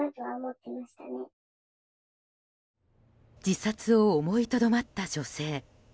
自殺を思いとどまった女性。